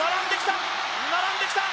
並んできた！